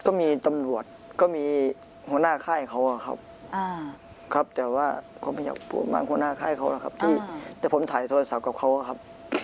ก็มีตำรวจก็มีหัวหน้าค่ายเขาอะครับครับแต่ว่าก็ไม่อยากพูดเหมือนหัวหน้าค่ายเขาหรอกครับที่แต่ผมถ่ายโทรศัพท์กับเขาครับ